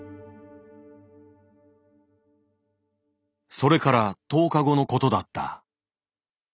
それから１０日後のことだった。